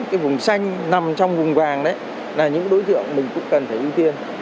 cái vùng xanh nằm trong vùng vàng đấy là những đối tượng mình cũng cần phải ưu tiên